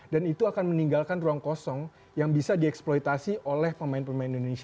dan itu akan meninggalkan ruang kosong yang bisa dieksploitasi oleh pemain pemain indonesia